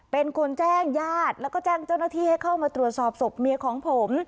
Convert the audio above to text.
เป็นคนแจ้งญาติแล้วก็แจ้งเจ้าหน้าที่ให้เข้ามาตรวจสอบศพเมียของผม